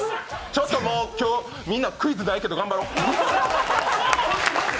ちょっともう今日、クイズないけど頑張ろう。